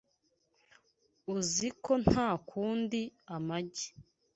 Uzi ko ntakunda amagi.